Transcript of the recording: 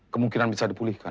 kemungkinan bisa dipulihkan